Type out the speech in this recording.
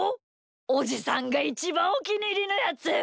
おじさんがいちばんおきにいりのやつ。